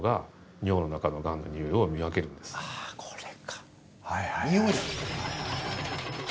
あこれか。